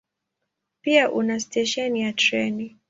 Pia una stesheni ya treni.